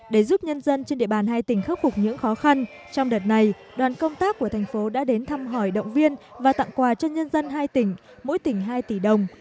để giúp nhân dân trên địa bàn hai tỉnh khắc phục những khó khăn trong đợt này đoàn công tác của thành phố đã đến thăm hỏi động viên và tặng quà cho nhân dân hai tỉnh mỗi tỉnh hai tỷ đồng